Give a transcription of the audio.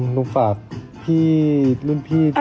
หนูฝากพี่รุ่นพี่ที่เป็นผู้กับ